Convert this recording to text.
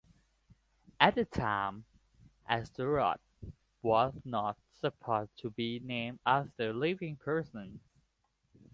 At the time, asteroids were not supposed to be named after living persons.